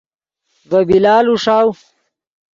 ڤے بلال اوݰاؤ